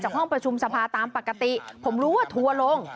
ห้องประชุมสภาตามปกติผมรู้ว่าทัวร์ลง